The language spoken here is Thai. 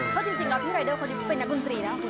เพราะจริงแล้วพี่รายเดอร์คนนี้เขาเป็นนักดนตรีนะ